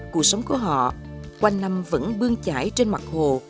cuộc sống của họ quanh năm vẫn bương chải trên mặt hồ